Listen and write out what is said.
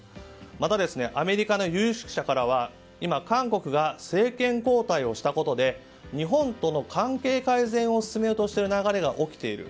また、アメリカの有識者からは今、韓国が政権交代をしたことで日本との関係改善を進めようとしている流れが起きている。